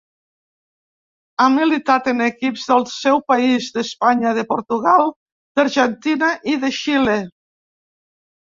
Ha militat en equips del seu país, d'Espanya, de Portugal, d'Argentina i de Xile.